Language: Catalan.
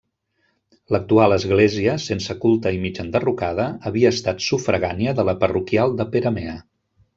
L'actual església, sense culte i mig enderrocada, havia estat sufragània de la parroquial de Peramea.